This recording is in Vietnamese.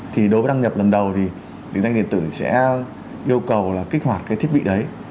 thì đối với đăng nhập lần đầu thì định danh điện tử sẽ yêu cầu là kích hoạt cái thiết bị đấy